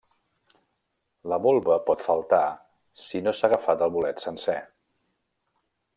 La volva pot faltar si no s'ha agafat el bolet sencer.